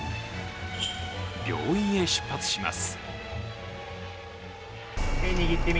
病院へ出発します。